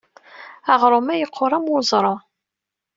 Aɣrum-a yeqqur am weẓru.